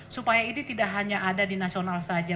supaya ini tidak hanya ada di nasional saja